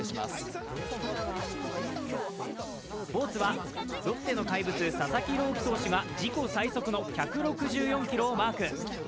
スポーツはロッテの怪物、佐々木朗希投手が自己最速の１６４キロをマーク。